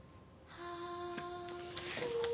はあ？